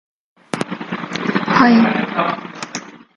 The station is managed and served by Great Northern.